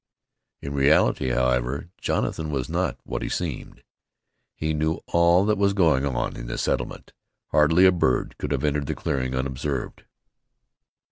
In reality, however, Jonathan was not what he seemed. He knew all that was going on in the settlement. Hardly a bird could have entered the clearing unobserved.